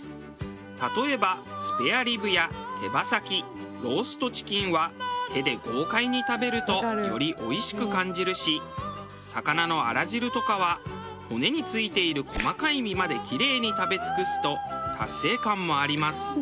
例えばスペアリブや手羽先ローストチキンは手で豪快に食べるとよりおいしく感じるし魚のあら汁とかは骨に付いている細かい身までキレイに食べ尽くすと達成感もあります。